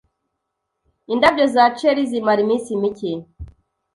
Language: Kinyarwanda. Indabyo za Cherry zimara iminsi mike.